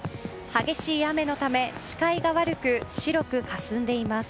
激しい雨のため視界が悪く白くかすんでいます。